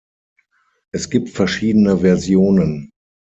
Es gibt verschiedene Versionen.